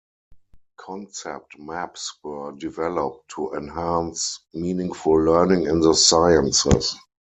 Concept maps were developed to enhance meaningful learning in the sciences.